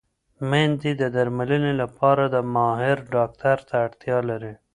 مېندې د درملنې لپاره ماهر ډاکټر ته اړتیا لري.